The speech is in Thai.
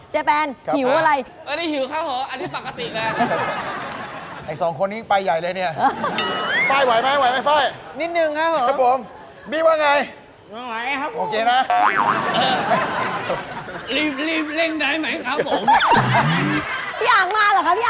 เจแปนหิวอะไร